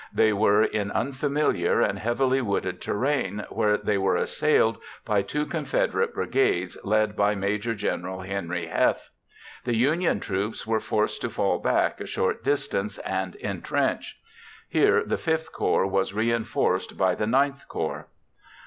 They were in unfamiliar and heavily wooded terrain where they were assailed by two Confederate brigades led by Maj. Gen. Henry Heth. The Union troops were forced to fall back a short distance and entrench. Here the V Corps was reinforced by the IX Corps.